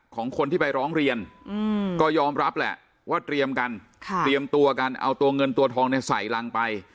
ก็ยอมรับแหละว่าเตรียมกันเตรียมตัวกันเอาตัวเงินตัวทองในใส่รังไป